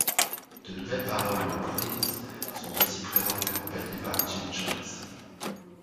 De nouvelles paroles de Prince sont aussi présentes, accompagné par Jill Jones.